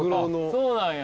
そうなんや。